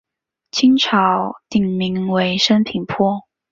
清朝定名为升平坡。